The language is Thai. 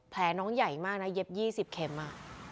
แผลน้องใหญ่มากนะเย็บ๒๐เข็มอ่ะ